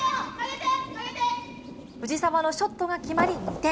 藤澤のショットが決まり、２点。